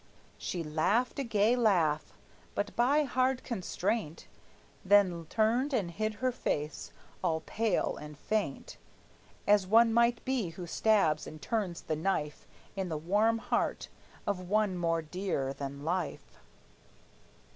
She laughed a gay laugh, but by hard constraint: Then turned and hid her face, all pale and faint, As one might be who stabs and turns the knife In the warm heart of one more dear than life.